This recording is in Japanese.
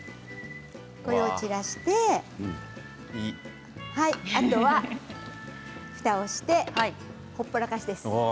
これを散らして、あとはふたをしてほったらかしです。